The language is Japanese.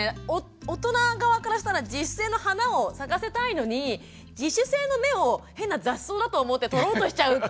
大人側からしたら自主性の花を咲かせたいのに自主性の芽を変な雑草だと思って取ろうとしちゃうっていう。